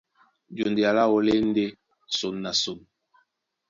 Jondea láō lá e ndé son na son.